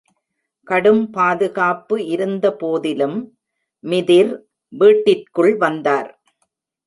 கடும் பாதுகாப்பு இருந்தபோதிலும், மிதிர் வீட்டிற்குள் வந்தார்.